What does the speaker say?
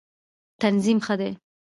تنظیم ښه دی.